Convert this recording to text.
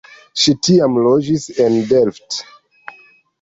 Ŝi tiam loĝis en Delft.